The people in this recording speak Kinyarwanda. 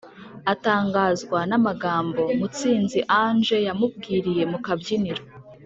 atangazwa n’amagambo mutsinzi ange yamubwiriye mukabyiniro.